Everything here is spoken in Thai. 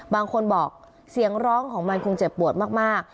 บางคนบอกเสียงร้องของมันคงเจ็บปวดมาก